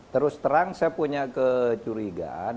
terus terang saya punya kecurigaan